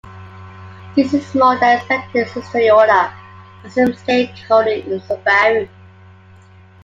This is more than expected since Toyota has some stakeholding in Subaru.